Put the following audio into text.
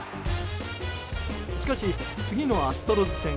しかし、次のアストロズ戦。